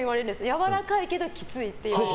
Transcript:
やわらかいけどきついって。